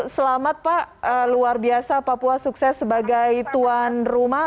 selamat pak luar biasa papua sukses sebagai tuan rumah